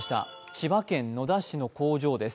千葉県野田市の工場です。